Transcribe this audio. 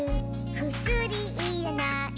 「くすりいらない」